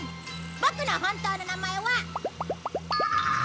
ボクの本当の名前は。